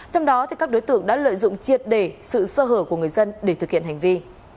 trong đó các đối tượng đã lợi dụng triệt đề sự sơ hở của người dân để thực hiện hành vi